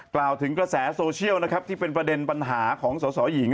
กล่าวถึงกระแสโซเชียลนะครับที่เป็นประเด็นปัญหาของสอสอหญิง